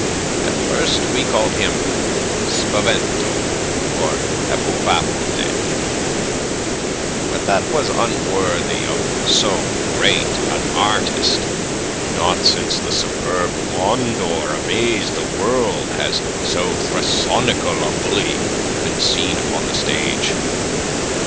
At first we called him Spavento or Epouvapte. But that was unworthy of so great an artist. Not since the superb Mondor amazed the world has so thrasonical a bully been seen upon the stage.